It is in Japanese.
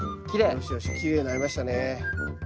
よしよしきれいになりましたね。